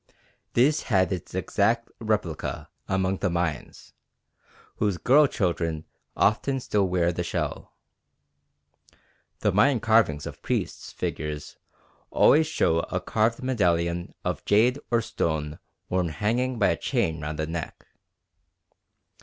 This had its exact replica among the Mayans, whose girl children often still wear the shell. The Mayan carvings of priests' figures always show a carved medallion of jade or stone worn hanging by a chain round the neck.